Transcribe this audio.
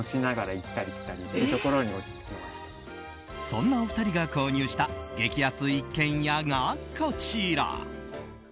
そんなお二人が購入した激安一軒家が、こちら。